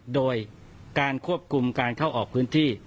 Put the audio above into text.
โดยการควบคุมการเข้าออกพื้นที่